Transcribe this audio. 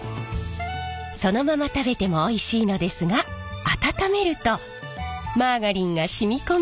そのまま食べてもおいしいのですが温めるとマーガリンが染み込み